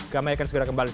kami akan segera kembali